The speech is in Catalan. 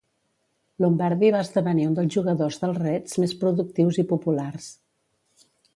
Lombardi va esdevenir un dels jugadors dels Reds més productius i populars.